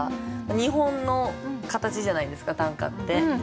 日本の形じゃないですか短歌って。